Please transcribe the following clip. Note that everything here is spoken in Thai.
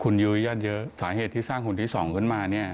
คุณยุ้ยญาติเยอะสาเหตุที่สร้างหุ่นที่๒ขึ้นมาเนี่ย